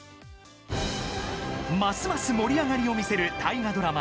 ますます盛り上がりをみせる大河ドラマ